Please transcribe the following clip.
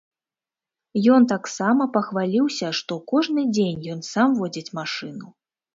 Ён таксама пахваліўся, што кожны дзень ён сам водзіць машыну.